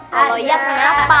kalau iya kenapa